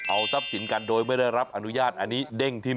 เอาทรัพย์สินกันโดยไม่ได้รับอนุญาตอันนี้เด้งที่